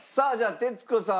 徹子さん。